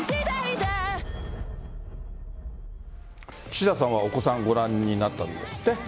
岸田さんはお子さんご覧になったんですって？